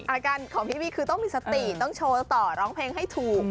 อาการของพี่บี้คือต้องมีสติต้องโชว์ต่อร้องเพลงให้ถูก